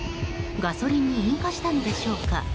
ガソリンに引火したのでしょうか。